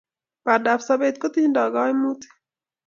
Bandab sobet kotindoi kaimutik